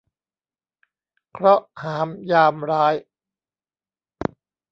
เคราะห์หามยามร้าย